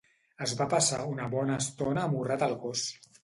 Es va passar una bona estona amorrat al gos.